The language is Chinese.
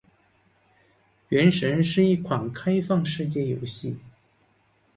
《原神》是一款开放世界游戏。